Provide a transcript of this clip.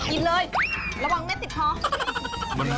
กินเลยระวังไม่ติดท้อง